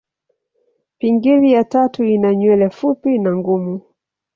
Pingili ya tatu ina nywele fupi na ngumu.